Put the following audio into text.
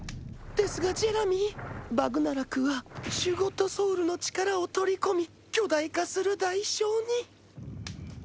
ですがジェラミーバグナラクはシュゴッドソウルの力を取り込み巨大化する代償に。